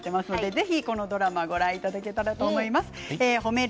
ぜひこのドラマをご覧いただけたらと思います。